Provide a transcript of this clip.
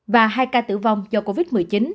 và hai ca tử vong do covid một mươi chín